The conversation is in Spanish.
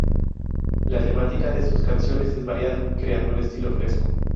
La temática de sus canciones es variada, creando un estilo fresco.